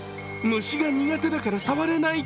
虫が苦手だから触れない。